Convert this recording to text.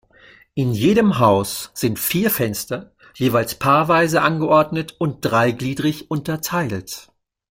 In jedem Haus sind vier Fenster, jeweils paarweise angeordnet und dreigliedrig unterteilt.